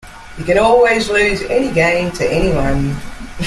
You can always lose any game, to anyone.